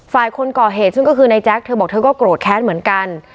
คนก่อเหตุซึ่งก็คือในแจ๊คเธอบอกเธอก็โกรธแค้นเหมือนกัน